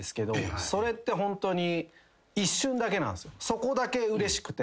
そこだけうれしくて。